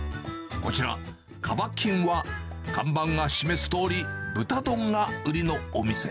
こちら、かば金は、看板が示すとおり、豚丼が売りのお店。